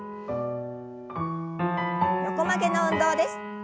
横曲げの運動です。